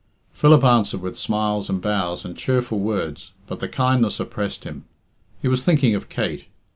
Philip answered with smiles and bows and cheerful words, but the kindness oppressed him. He was thinking of Kate.